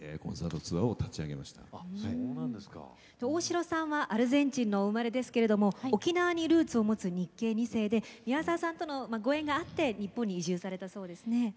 大城さんはアルゼンチンのお生まれですけれども沖縄にルーツを持つ日系二世で宮沢さんとのご縁があって日本に移住されたそうですね。